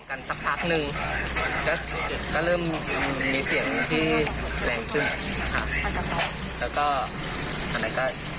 กันสักพักนึงก็เริ่มมีเสียงที่แรงขึ้นแล้วก็